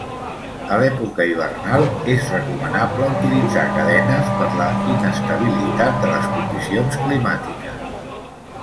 A l'època hivernal, és recomanable utilitzar cadenes per la inestabilitat de les condicions climàtiques.